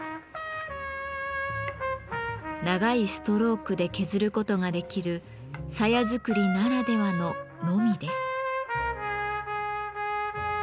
長いストロークで削ることができる鞘作りならではののみです。